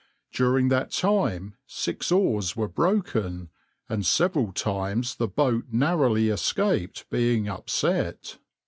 During that time six oars were broken, and several times the boat narrowly escaped being upset.